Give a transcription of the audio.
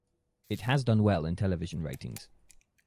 It has done well in television ratings.